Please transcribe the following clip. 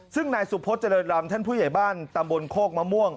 ซึ่งนายสุพธเจริญรำท่านผู้ใหญ่บ้านตำบลโคกมะม่วง